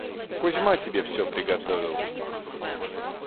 Кузьма тебе всё приготовил.